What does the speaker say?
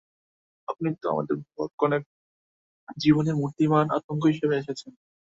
আপনি তো আমাদের বর কনের জীবনে মূর্তিমান আতঙ্ক হিসেবে এসেছেন!